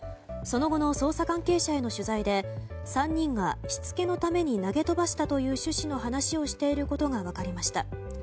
その後の捜査関係者への取材で３人が、しつけのために投げ飛ばしたという趣旨の話をしていることが分かりました。